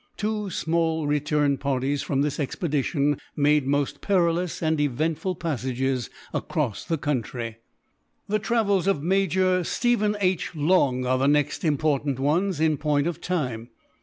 Two small return parties from this expedition made most perilous and eventful passages across the country. The travels of major Stephen H. Long are the next important ones in point of time.